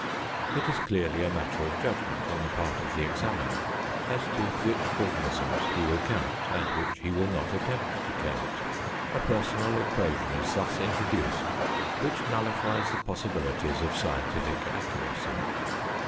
It is clearly a matter of judgment on the part of the examiner as to which organisms he will count and which he will not attempt to count. A personal equation is thus introduced which nullifies the possibilities of scientific accuracy.